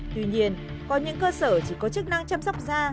tuy nhiên có những cơ sở chỉ có chức năng chăm sóc da